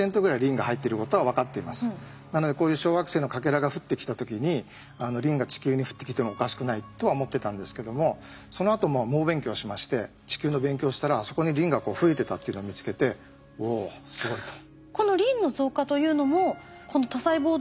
なのでこういう小惑星のかけらが降ってきた時にリンが地球に降ってきてもおかしくないとは思ってたんですけどもそのあと猛勉強しまして地球の勉強をしたらそこにリンが増えてたっていうのを見つけておすごいと。